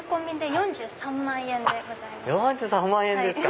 ４３万円ですか！